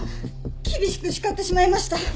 厳しく叱ってしまいました。